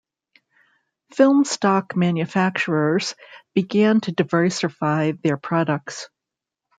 Film stock manufacturers began to diversify their products.